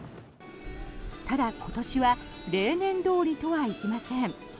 ただ、今年は例年どおりとはいきません。